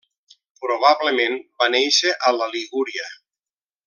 Probablement va néixer a la Ligúria.